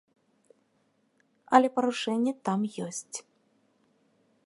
Але парушэнні там ёсць.